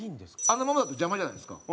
あのままだと邪魔じゃないですか。